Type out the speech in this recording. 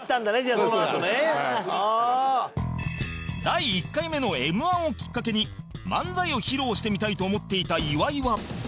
第１回目の Ｍ−１ をきっかけに漫才を披露してみたいと思っていた岩井は